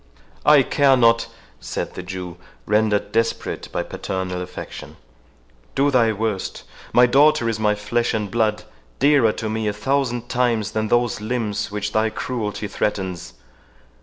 "I care not!" said the Jew, rendered desperate by paternal affection; "do thy worst. My daughter is my flesh and blood, dearer to me a thousand times than those limbs which thy cruelty threatens.